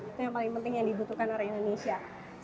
itu yang paling penting yang dibutuhkan orang indonesia